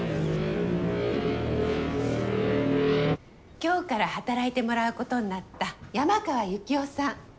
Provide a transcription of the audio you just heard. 今日から働いてもらうことになった山川ユキオさん。